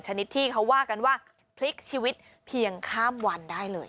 ชนิดที่เขาว่ากันว่าพลิกชีวิตเพียงข้ามวันได้เลย